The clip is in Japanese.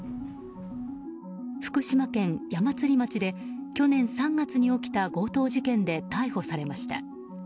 福島県矢祭町で去年３月に起きた強盗事件で逮捕されました。